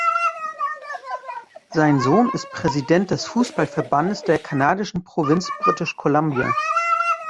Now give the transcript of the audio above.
Sein Sohn ist Präsident des Fußballverbandes der kanadischen Provinz British Columbia.